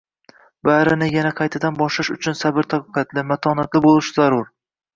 Barini yana qaytadan boshlash uchun sabr-toqatli, matonatli boʻlish zarur